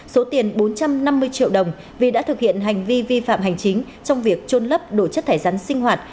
số tiền bốn trăm năm mươi triệu đồng vì đã thực hiện hành vi vi phạm hành chính trong việc trôn lấp đổi chất thải rắn sinh hoạt